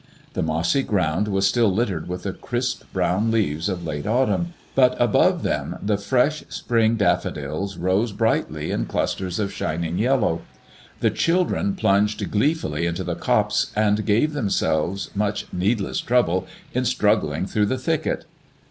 The mossy ground was still littered with the crisp brown leaves of last autumn, but above them the fresh spring daffo dils rose brightly in clusters of shining yellow. The children plunged gleefully into the copse, and gave themselves much need less trouble in struggling through the thicket.